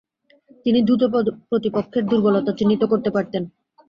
তিনি দ্রুত প্রতিপক্ষের দূর্বলতা চিহ্নিত করতে পারতেন।